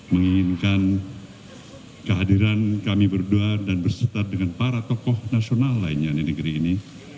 menginginkan kehadiran kami berdua dan berserta dengan para tokoh nasional lainnya di negeri ini